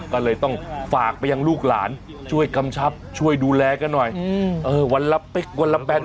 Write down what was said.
ก็เลยต้องฝากไปยังลูกหลานช่วยกำชับช่วยดูแลกันหน่อยวันละเป๊กวันละแบน